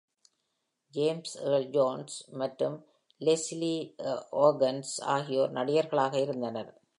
James Earl Jones மற்றும் Leslie Uggams ஆகியோர் நடிகர்களாக இருந்தனர்.